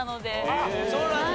あっそうなんだ。